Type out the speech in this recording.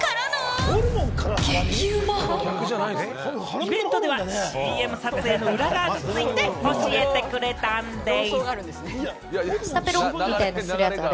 イベントではＣＭ撮影の裏側について教えてくれたんでぃす。